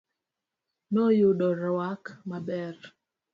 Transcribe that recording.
Noyudo rwak maber.